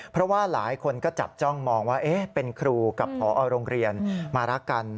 เพราะว่าหลายคนก็จับจ้องมองว่าเป็นครูกับพอโรงเรียนมารักกัน